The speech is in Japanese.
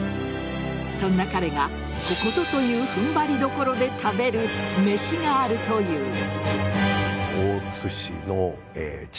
そんな彼がここぞという踏ん張り所で食べる飯があるという。